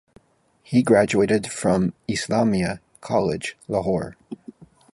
He graduated from Islamia College, Lahore.